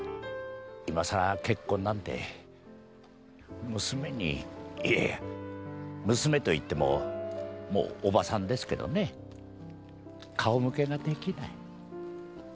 今更結婚なんて娘にいやいや娘と言ってももうおばさんですけどね顔向けができない。